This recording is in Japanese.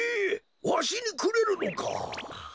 わしにくれるのか？